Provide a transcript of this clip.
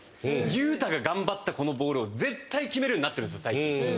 雄太が頑張った、このボールを絶対決めるようになってるんです最近。